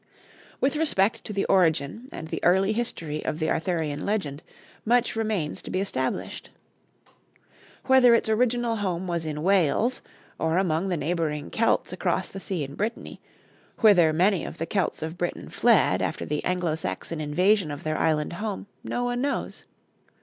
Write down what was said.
With respect to the origin and the early history of the Arthurian legend, much remains to be established. Whether its original home was in Wales, or among the neighboring Celts across the sea in Brittany, whither many of the Celts of Britain fled after the Anglo Saxon invasion of their island home, no one knows.